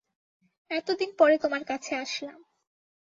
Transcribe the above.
এত দিন পরে তোমার কাছে আসলাম।